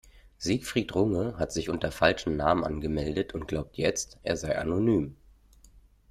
Siegfried Runge hat sich unter falschem Namen angemeldet und glaubt jetzt, er sei anonym.